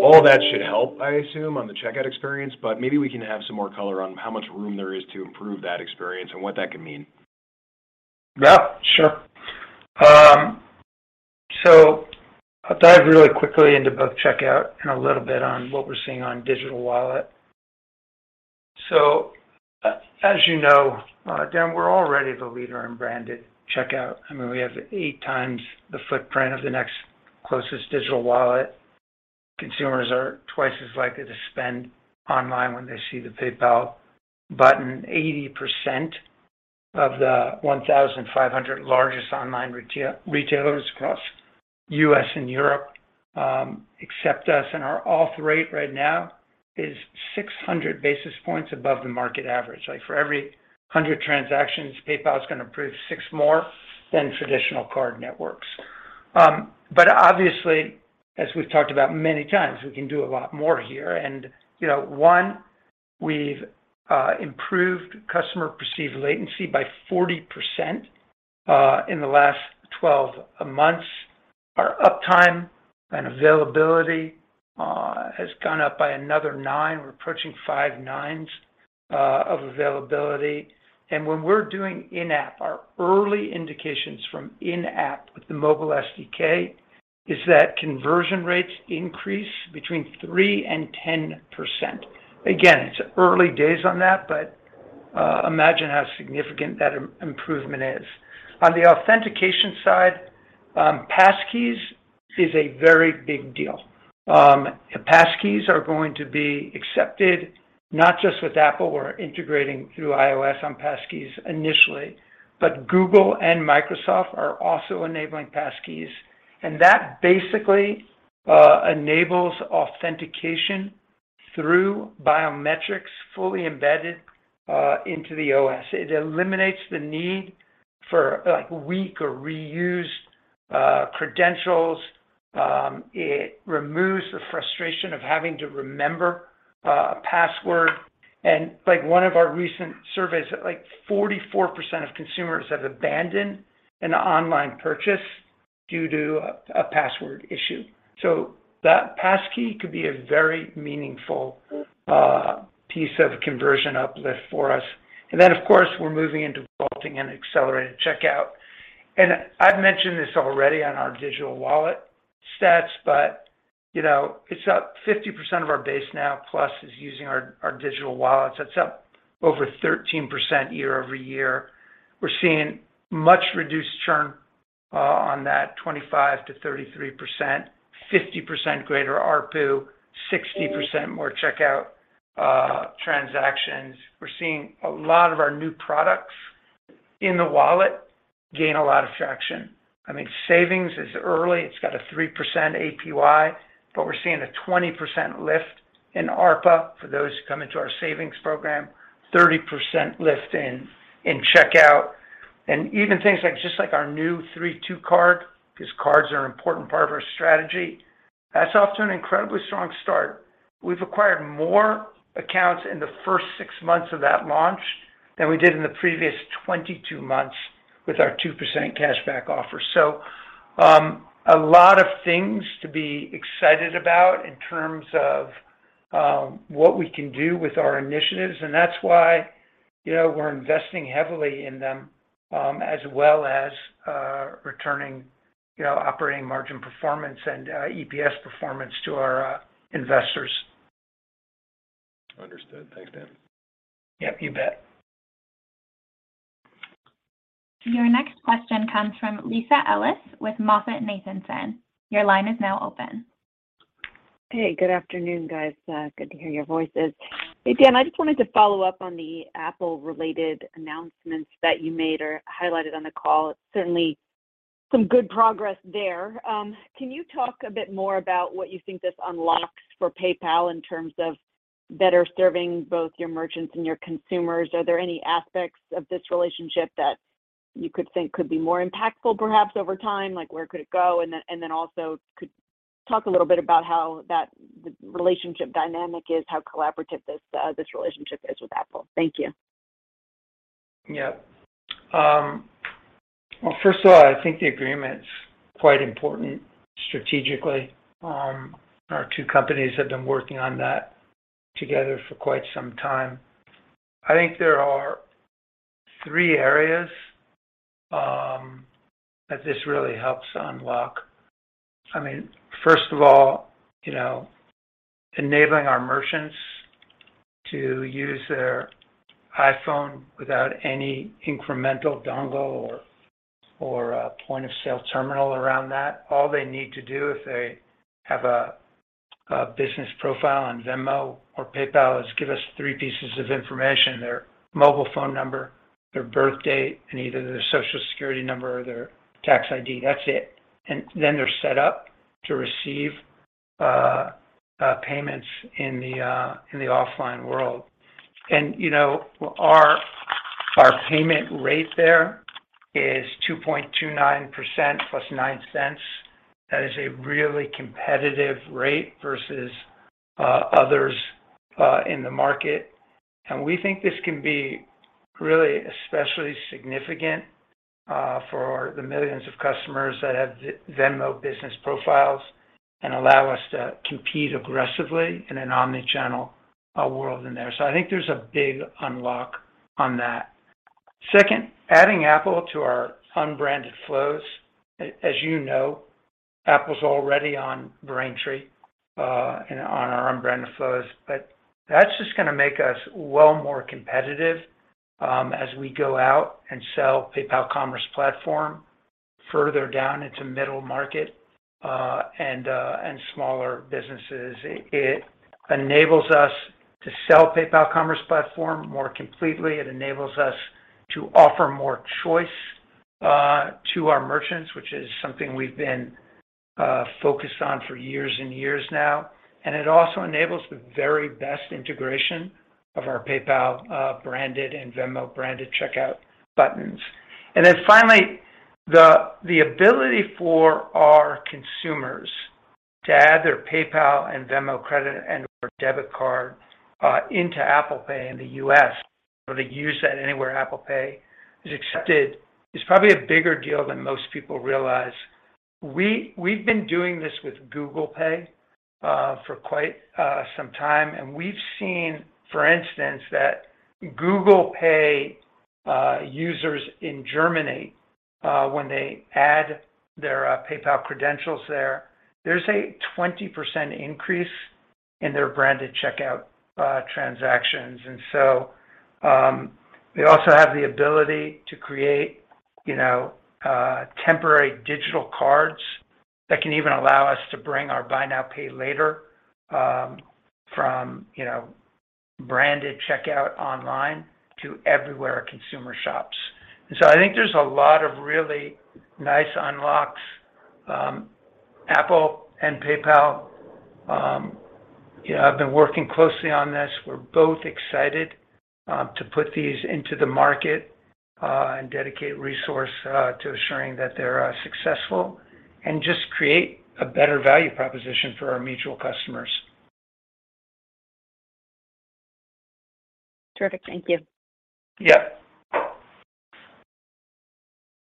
Speaker 7: All that should help, I assume, on the checkout experience, but maybe we can have some more color on how much room there is to improve that experience and what that could mean.
Speaker 3: Yeah, sure. I'll dive really quickly into both checkout and a little bit on what we're seeing on digital wallet. As you know, Dan, we're already the leader in branded checkout. I mean, we have 8 times the footprint of the next closest digital wallet. Consumers are twice as likely to spend online when they see the PayPal button. 80% of the 1,500 largest online retailers across U.S. and Europe accept us, and our auth rate right now is 600 basis points above the market average. Like, for every 100 transactions, PayPal is gonna approve six more than traditional card networks. But obviously, as we've talked about many times, we can do a lot more here. You know, one, we've improved customer perceived latency by 40% in the last 12 months. Our uptime and availability has gone up by another nine. We're approaching five nines of availability. When we're doing in-app, our early indications from in-app with the mobile SDK is that conversion rates increase between 3% and 10%. Again, it's early days on that, but imagine how significant that improvement is. On the authentication side, passkeys is a very big deal. Passkeys are going to be accepted not just with Apple. We're integrating through iOS on passkeys initially. Google and Microsoft are also enabling passkeys, and that basically enables authentication through biometrics fully embedded into the OS. It eliminates the need for, like, weak or reused credentials. It removes the frustration of having to remember a password. Like one of our recent surveys, like 44% of consumers have abandoned an online purchase due to a password issue. That passkey could be a very meaningful piece of conversion uplift for us. Then, of course, we're moving into vaulting and Accelerated Checkout. I've mentioned this already on our digital wallet stats, but, you know, it's up 50% of our base now plus is using our digital wallets. That's up over 13% year-over-year. We're seeing much reduced churn on that 25%-33%, 50% greater ARPU, 60% more checkout transactions. We're seeing a lot of our new products in the wallet gain a lot of traction. I mean, savings is early. It's got a 3% APY, but we're seeing a 20% lift in ARPA for those who come into our savings program, 30% lift in checkout. Even things like, just like our new PayPal Cashback Mastercard, 'cause cards are an important part of our strategy. That's off to an incredibly strong start. We've acquired more accounts in the first six months of that launch than we did in the previous 22 months with our 2% cashback offer. A lot of things to be excited about in terms of what we can do with our initiatives, and that's why, you know, we're investing heavily in them, as well as returning, you know, operating margin performance and EPS performance to our investors.
Speaker 7: Understood. Thanks, Dan.
Speaker 3: Yep, you bet.
Speaker 1: Your next question comes from Lisa Ellis with MoffettNathanson. Your line is now open.
Speaker 8: Hey, good afternoon, guys. Good to hear your voices. Hey, Dan, I just wanted to follow up on the Apple-related announcements that you made or highlighted on the call. Certainly, some good progress there. Can you talk a bit more about what you think this unlocks for PayPal in terms of better serving both your merchants and your consumers? Are there any aspects of this relationship that you could think could be more impactful, perhaps over time? Like, where could it go? Also, could talk a little bit about how that relationship dynamic is, how collaborative this relationship is with Apple. Thank you.
Speaker 3: Yeah. Well, first of all, I think the agreement's quite important strategically. Our two companies have been working on that together for quite some time. I think there are three areas that this really helps unlock. I mean, first of all, you know, enabling our merchants to use their iPhone without any incremental dongle or a point-of-sale terminal around that. All they need to do if they have a business profile on Venmo or PayPal is give us three pieces of information, their mobile phone number, their birth date, and either their Social Security number or their tax ID. That's it. Then they're set up to receive payments in the offline world. You know, our payment rate there is 2.29% + $0.09. That is a really competitive rate versus others in the market. We think this can be really especially significant for the millions of customers that have Venmo business profiles and allow us to compete aggressively in an omni-channel world in there. I think there's a big unlock on that. Second, adding Apple to our unbranded flows. As you know, Apple's already on Braintree and on our unbranded flows. That's just gonna make us a lot more competitive as we go out and sell PayPal Commerce Platform further down into middle market and smaller businesses. It enables us to sell PayPal Commerce Platform more completely. It enables us to offer more choice to our merchants, which is something we've been focused on for years and years now. It also enables the very best integration of our PayPal branded and Venmo branded checkout buttons. Finally, the ability for our consumers to add their PayPal and Venmo credit and/or debit card into Apple Pay in the U.S., or to use that anywhere Apple Pay is accepted is probably a bigger deal than most people realize. We've been doing this with Google Pay for quite some time, and we've seen, for instance, that Google Pay users in Germany, when they add their PayPal credentials there's a 20% increase in their branded checkout transactions. They also have the ability to create, you know, temporary digital cards that can even allow us to bring our buy now, pay later from, you know, branded checkout online to everywhere a consumer shops. I think there's a lot of really nice unlocks. Apple and PayPal, you know, have been working closely on this. We're both excited to put these into the market and dedicate resource to assuring that they're successful and just create a better value proposition for our mutual customers.
Speaker 8: Terrific. Thank you.
Speaker 3: Yeah.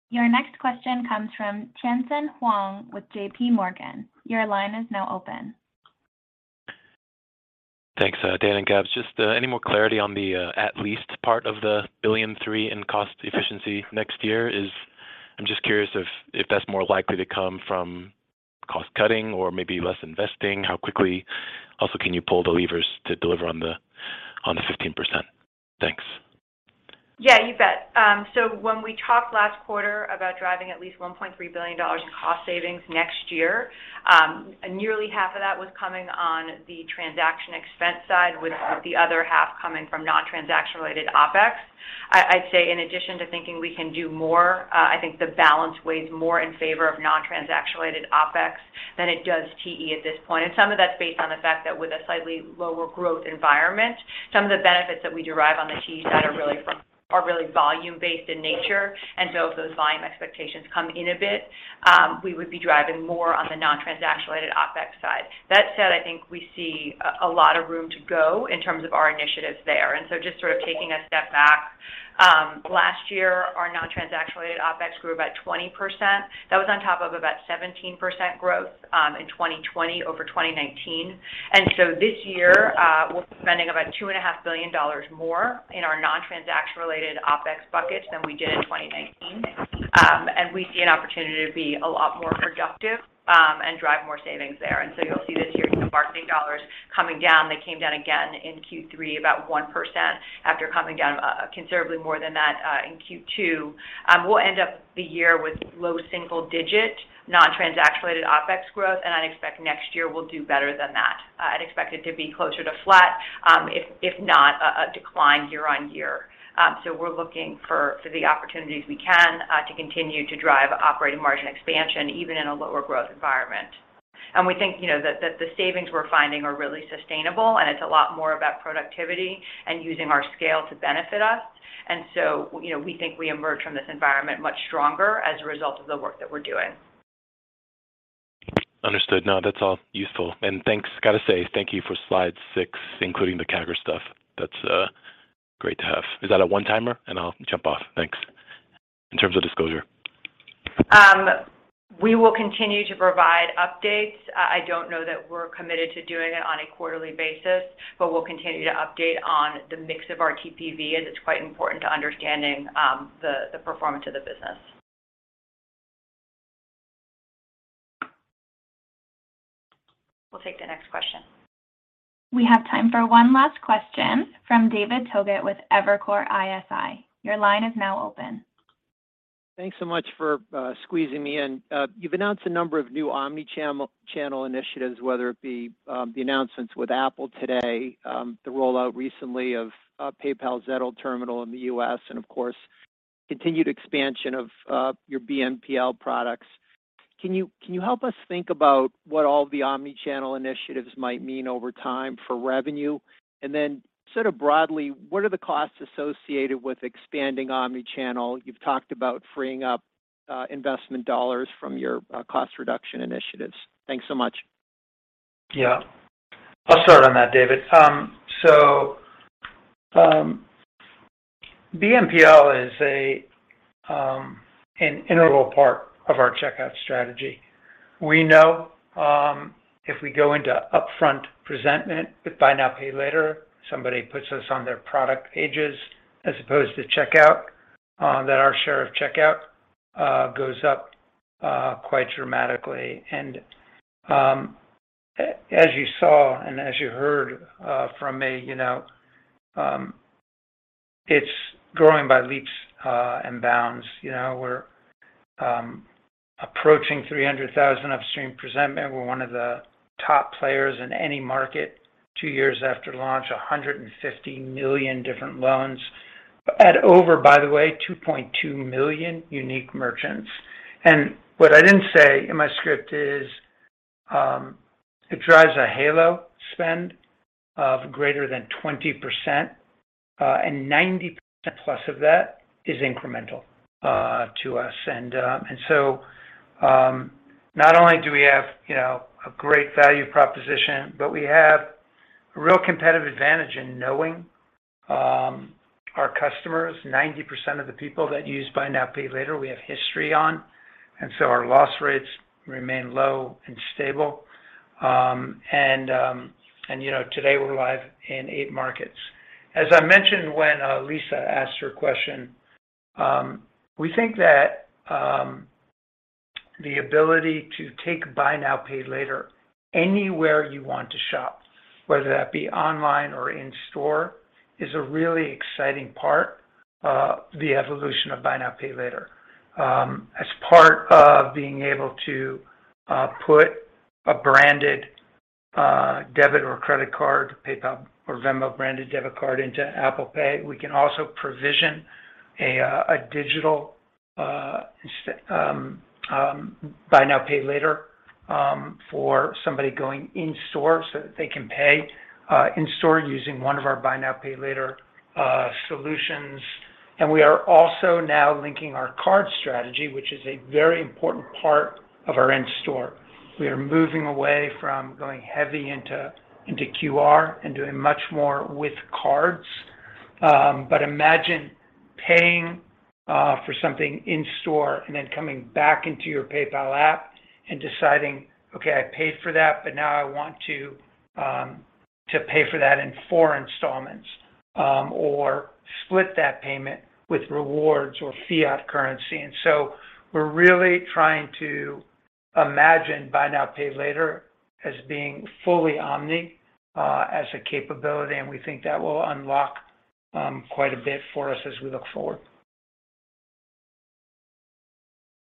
Speaker 1: Your next question comes from Tien-Tsin Huang with JPMorgan. Your line is now open.
Speaker 9: Thanks, Dan and Gabs. Just any more clarity on at least part of the $1.3 billion in cost efficiency next year? I'm just curious if that's more likely to come from cost-cutting or maybe less investing. How quickly also can you pull the levers to deliver on the 15%? Thanks.
Speaker 2: Yeah, you bet. When we talked last quarter about driving at least $1.3 billion in cost savings next year, nearly half of that was coming on the transaction expense side.
Speaker 3: Mm-hmm
Speaker 2: With the other half coming from non-transaction-related OpEx. I'd say in addition to thinking we can do more, I think the balance weighs more in favor of non-transaction-related OpEx than it does TE at this point. Some of that's based on the fact that with a slightly lower growth environment, some of the benefits that we derive on the TE side are really volume-based in nature. If those volume expectations come in a bit, we would be driving more on the non-transaction-related OpEx side. That said, I think we see a lot of room to go in terms of our initiatives there. Just sort of taking a step back, last year our non-transaction-related OpEx grew about 20%. That was on top of about 17% growth in 2020 over 2019. This year, we're spending about $2.5 billion more in our non-transaction-related OpEx bucket than we did in 2019. We see an opportunity to be a lot more productive and drive more savings there. You'll see this year some marketing dollars coming down. They came down again in Q3 about 1% after coming down considerably more than that in Q2. We'll end up the year with low single-digit non-transaction-related OpEx growth, and I'd expect next year we'll do better than that. I'd expect it to be closer to flat, if not a decline year-on-year. We're looking for the opportunities we can to continue to drive operating margin expansion even in a lower growth environment. We think, you know, that the savings we're finding are really sustainable and it's a lot more about productivity and using our scale to benefit us. You know, we think we emerge from this environment much stronger as a result of the work that we're doing.
Speaker 9: Understood. No, that's all useful. Thanks. Gotta say thank you for slide six, including the CAGR stuff. That's great to have. Is that a one-timer? I'll jump off. Thanks. In terms of disclosure.
Speaker 2: We will continue to provide updates. I don't know that we're committed to doing it on a quarterly basis, but we'll continue to update on the mix of our TPV as it's quite important to understanding the performance of the business. We'll take the next question.
Speaker 1: We have time for one last question from David Togut with Evercore ISI. Your line is now open.
Speaker 10: Thanks so much for squeezing me in. You've announced a number of new omni-channel initiatives, whether it be the announcements with Apple today, the rollout recently of PayPal's Zettle terminal in the U.S., and, of course, continued expansion of your BNPL products. Can you help us think about what all the omni-channel initiatives might mean over time for revenue? Sort of broadly, what are the costs associated with expanding omni-channel? You've talked about freeing up investment dollars from your cost reduction initiatives. Thanks so much.
Speaker 3: Yeah. I'll start on that, David. BNPL is an integral part of our checkout strategy. We know if we go into upfront presentment with buy now, pay later, somebody puts us on their product pages as opposed to checkout, that our share of checkout goes up quite dramatically. As you saw, and as you heard from me, you know. It's growing by leaps and bounds. You know, we're approaching 300,000 upstream presentment. We're one of the top players in any market two years after launch. 150 million different loans at over, by the way, 2.2 million unique merchants. What I didn't say in my script is, it drives a halo spend of greater than 20%, and 90%+ of that is incremental to us. Not only do we have, you know, a great value proposition, but we have a real competitive advantage in knowing our customers. 90% of the people that use buy now pay later we have history on, and our loss rates remain low and stable. You know, today we're live in eight markets. As I mentioned when Lisa asked her question, we think that the ability to take buy now, pay later anywhere you want to shop, whether that be online or in-store, is a really exciting part of the evolution of buy now, pay later. As part of being able to put a branded debit or credit card, PayPal or Venmo branded debit card into Apple Pay. We can also provision a digital buy now, pay later for somebody going in-store so that they can pay in-store using one of our buy now, pay later solutions. We are also now linking our card strategy, which is a very important part of our in-store. We are moving away from going heavy into QR and doing much more with cards. Imagine paying for something in-store and then coming back into your PayPal app and deciding, okay, I paid for that, but now I want to pay for that in four installments or split that payment with rewards or fiat currency. We're really trying to imagine buy now, pay later as being fully omni as a capability, and we think that will unlock quite a bit for us as we look forward.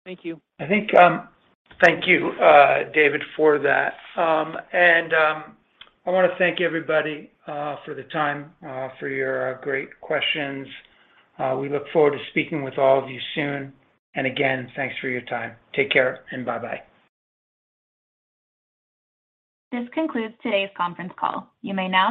Speaker 10: Thank you.
Speaker 3: Thank you, David, for that. I wanna thank everybody for the time for your great questions. We look forward to speaking with all of you soon. Again, thanks for your time. Take care and bye-bye.
Speaker 1: This concludes today's conference call. You may now disconnect.